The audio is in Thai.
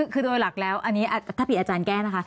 คือโดยหลักแล้วอันนี้ถ้าผิดอาจารย์แก้นะคะ